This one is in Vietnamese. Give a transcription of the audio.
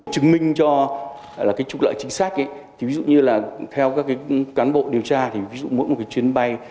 chứng minh cho là cái trục lợi chính xác ví dụ như là theo các cán bộ điều tra thì ví dụ mỗi một cái chuyến bay